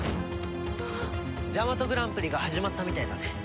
ジャマトグランプリが始まったみたいだね。